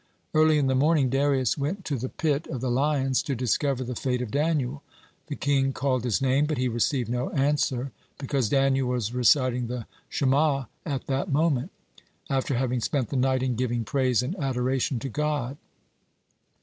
Early in the morning Darius (13) went to the pit of the lions to discover the fate of Daniel. The king called his name, but he received no answer, because Daniel was reciting the Shema at that moment, (14) after having spent the night in giving praise and adoration to God.